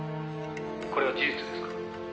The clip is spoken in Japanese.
「これは事実ですか？」